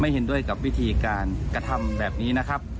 เห็นด้วยกับวิธีการกระทำแบบนี้นะครับ